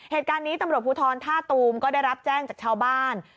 เหตุการณ์นี้ตำรวจภูทรท่าตูมก็ได้รับแจ้งจากชาวบ้าน